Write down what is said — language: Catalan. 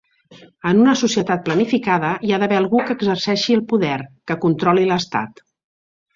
En una societat planificada, hi ha d'haver algú que exerceixi el poder, que controli l'estat.